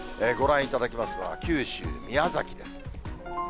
ご覧いただきますのは、九州・宮崎です。